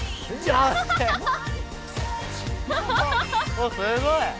おっすごい！